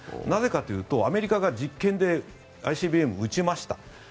なぜかというとアメリカが実験でＩＣＢＭを撃ちました。